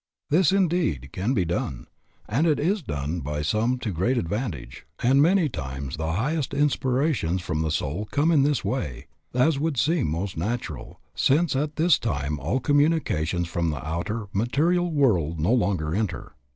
This, indeed, can be done, and is done by some to great advantage; and many times the highest inspirations from the soul come in this way, as would seem most natural, since at this time all communications from the outer, material world no longer enter.